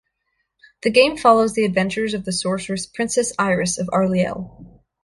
The game follows the adventures of the sorceress Princess Iris of Arliel.